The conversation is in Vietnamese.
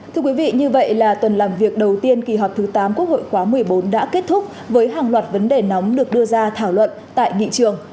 thưa quý vị như vậy là tuần làm việc đầu tiên kỳ họp thứ tám quốc hội khóa một mươi bốn đã kết thúc với hàng loạt vấn đề nóng được đưa ra thảo luận tại nghị trường